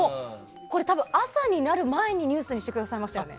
これ、朝になる前にニュースにしてくださいましたよね。